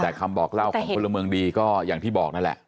แต่คำบอกเล่าของพลเมืองดีก็อย่างที่บอกนั่นแหละ